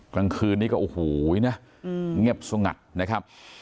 กลางคืนนี้ก็โอ้โหนะเงียบสงัดนะครับ